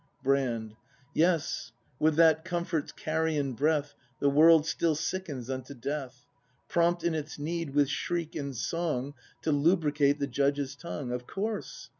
Brand. Yes, with that comfort's carrion breath The world still sickens unto death; Prompt, in its need, with shriek and song To lubricate the Judge's tongue. Of course!